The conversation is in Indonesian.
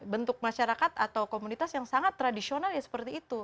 bentuk masyarakat atau komunitas yang sangat tradisional ya seperti itu